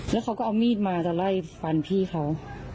แล้วเขาก็เอามีดมาจะไล่ฟันพี่เขา